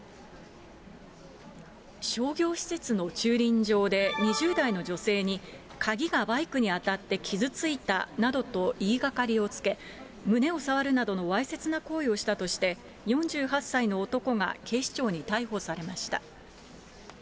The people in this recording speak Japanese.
商業施設の駐輪場で、２０代の女性に鍵がバイクに当たって傷ついたなどと言いがかりをつけ、胸を触るなどのわいせつな行為をしたとして、４８歳の男が警視庁に逮捕されました。